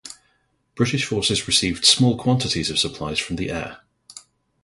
British forces received small quantities of supplies from the air.